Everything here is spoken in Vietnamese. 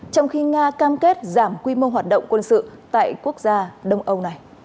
trong khi nga cam kết giảm quy mô hoạt động quân sự tại quốc gia đông âu này